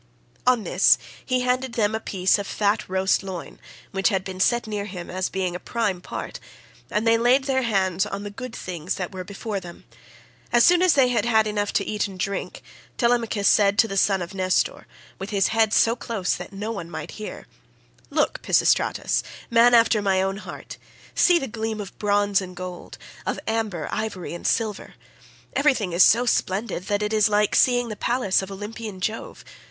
On this he handed them39 a piece of fat roast loin, which had been set near him as being a prime part, and they laid their hands on the good things that were before them; as soon as they had had enough to eat and drink, Telemachus said to the son of Nestor, with his head so close that no one might hear, "Look, Pisistratus, man after my own heart, see the gleam of bronze and gold—of amber,40 ivory, and silver. Everything is so splendid that it is like seeing the palace of Olympian Jove.